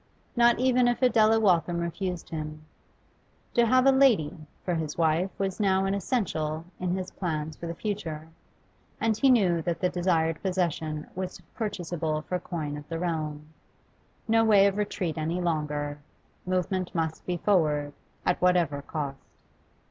Not even if Adela Waltham refused him; to have a 'lady' for his wife was now an essential in his plans for the future, and he knew that the desired possession was purchasable for coin of the realm. No way of retreat any longer; movement must be forward, at whatever cost.